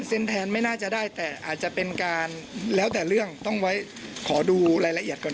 เซ็นแทนไม่น่าจะได้แต่อาจจะเป็นการแล้วแต่เรื่องต้องไว้ขอดูรายละเอียดก่อน